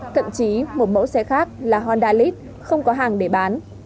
thậm chí một mẫu xe khác là honda elite không có hàng để bán